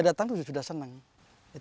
bahagia juga di sini